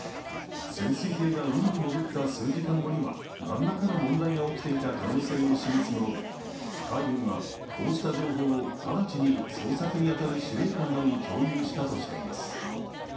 潜水艇が海に潜った数時間後には何らかの問題が起きていた可能性を示すもので海軍はこうした情報を直ちに捜索に当たる司令官らに共有したとしています。